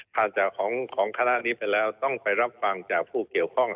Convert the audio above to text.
จากของคณะนี้ไปแล้วต้องไปรับฟังจากผู้เกี่ยวข้อง